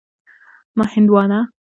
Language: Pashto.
🍉 هندوانه